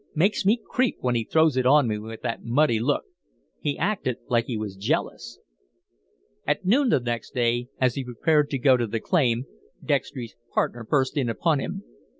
Makes me creep when he throws it on me with that muddy look. He acted like he was jealous." At noon the next day, as he prepared to go to the claim, Dextry's partner burst in upon him.